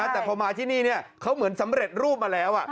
แต่พอมาที่นี่เขาเหมือนสำเร็จรูปมาแล้ว